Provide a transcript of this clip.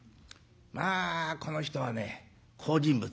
まあこの人はね好人物。